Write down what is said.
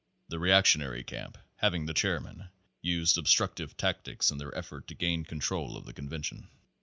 The reactionary camp having the chairman used ob structive tactics in their effort to gain control of the convention.